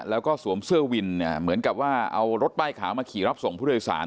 แล้วก็สวมเสื้อวินเนี่ยเหมือนกับว่าเอารถป้ายขาวมาขี่รับส่งผู้โดยสาร